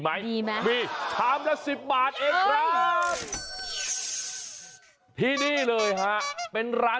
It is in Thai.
มั้ยดีมั้ยมีถามละสิบบาทเองครับทีนี้เลยฮะเป็นร้าน